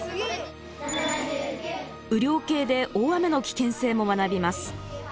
雨量計で大雨の危険性も学びます。